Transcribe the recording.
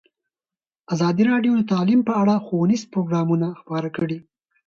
ازادي راډیو د تعلیم په اړه ښوونیز پروګرامونه خپاره کړي.